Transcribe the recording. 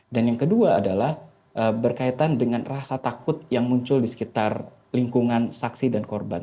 dan yang kedua adalah berkaitan dengan rasa takut yang muncul di sekitar lingkungan saksi dan korban